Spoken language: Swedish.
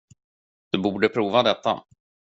Du borde prova detta.